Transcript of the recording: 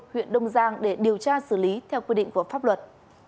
huyện đông giang để điều tra xử lý theo quy định của pháp luật